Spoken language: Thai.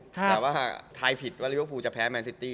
แต่ว่าถ้าทายผิดว่าริวฟูจะแพ้แมนซิตี้